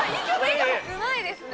うまいですね。